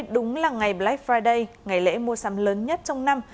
đúng là ngày black friday ngày lễ mua sắm lớn nhất trong năm